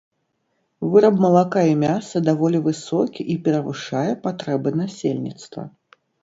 Выраб малака і мяса даволі высокі і перавышае патрэбы насельніцтва.